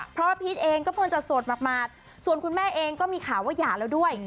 เพราะพีชเองก็เพิ่งจะโสดหมากส่วนคุณแม่เองก็มีข่าวว่าหย่าแล้วด้วย